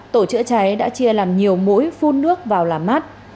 tổ chữa cháy đã chia làm nhiều mũi phun nước vào làm mát